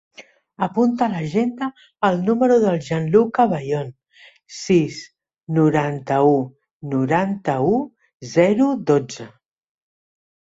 Apunta a l'agenda el número del Gianluca Bayon: sis, noranta-u, noranta-u, zero, dotze.